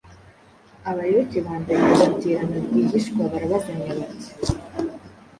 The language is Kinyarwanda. abayoboke ba Ndahiro baterana rwihishwa barabazanya bati “